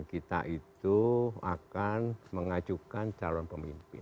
kita itu akan mengajukan calon pemimpin